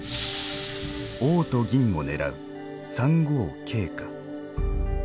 王と銀を狙う「３五桂」か。